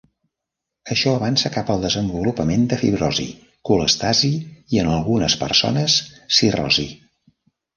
Això avança cap al desenvolupament de fibrosi, colèstasi i en algunes persones, cirrosi.